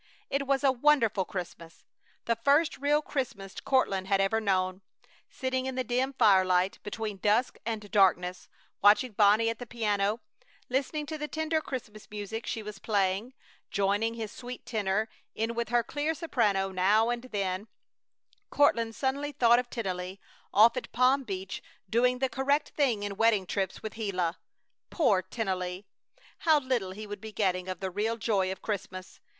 It was a wonderful Christmas! The first real Christmas Courtland had ever known. Sitting in the dim firelight between dusk and darkness, watching Bonnie at the piano, listening to the tender Christmas music she was playing, joining his sweet tenor in with her clear soprano now and then, Courtland suddenly thought of Tennelly, off at Palm Beach, doing the correct thing in wedding trips with Gila. Poor Tennelly! How little he would be getting of the real joy of Christmas!